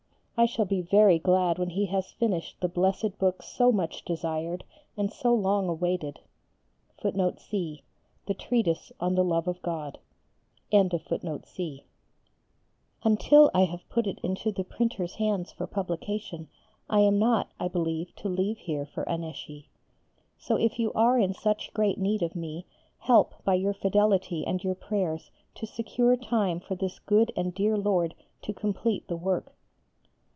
I shall be very glad when he has finished the blessed book so much desired and so long awaited.[C] Until I have put it into the printer's hands for publication I am not, I believe, to leave here for Annecy. So if you are in such great need of me, help by your fidelity and your prayers to secure time for this good and dear Lord to complete the work.